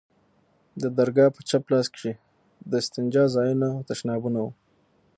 د درگاه په چپ لاس کښې د استنجا ځايونه او تشنابونه وو.